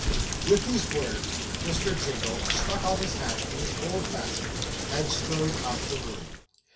With these words, Mr. Jingle stuck on his hat in his old fashion, and strode out of the room.